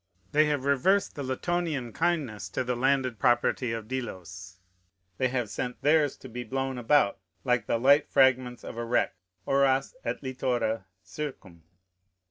They have reversed the Latonian kindness to the landed property of Delos. They have sent theirs to be blown about, like the light fragments of a wreck, oras et littora circum.